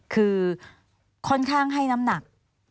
คือค่อนข้างให้น้ำหนัก